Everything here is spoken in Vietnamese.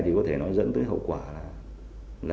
thì có thể nói dẫn tới hậu quả là